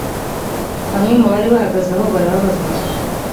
bamwe mu bari bahagaze aho barababaza bati